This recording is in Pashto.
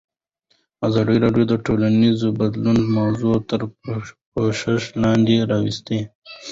ازادي راډیو د ټولنیز بدلون موضوع تر پوښښ لاندې راوستې.